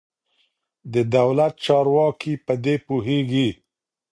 د دولت چارواکي په دې پوهېږي.